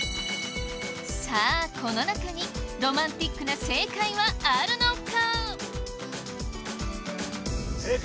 さあこの中にロマンティックな正解はあるのか！？